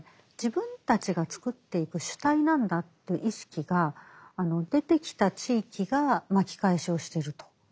自分たちが作っていく主体なんだという意識が出てきた地域が巻き返しをしてると。